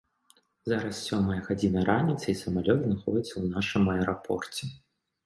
Зараз сёмая гадзіна раніцы, і самалёт знаходзіцца ў нашым аэрапорце.